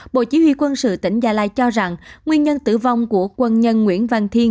bộ chỉ huy quân sự tỉnh gia lai cho rằng nguyên nhân tử vong của quân nhân nguyễn văn thiên